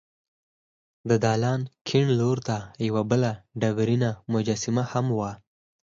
د دالان کیڼ لور ته یوه بله ډبرینه مجسمه هم وه.